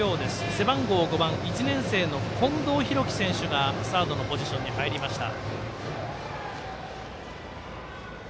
背番号５番、１年生の近藤大輝選手がサードのポジションに入りました。